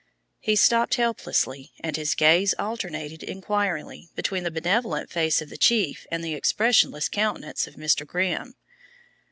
He stopped helplessly and his gaze alternated inquiringly between the benevolent face of the chief and the expressionless countenance of Mr. Grimm.